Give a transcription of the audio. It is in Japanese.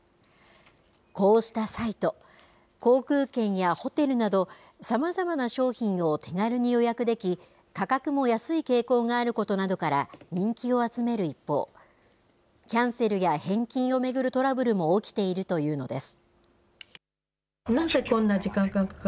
こうしたサイト、航空券やホテルなど、さまざまな商品を手軽に予約でき、価格も安い傾向があることなどから、人気を集める一方、キャンセルや返金を巡るトラブルも起きているというのです。